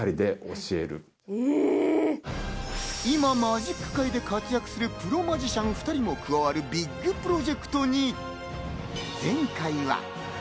今マジック界で活躍するプロマジシャン２人も加わる、ビッグプロジェクトに前回は。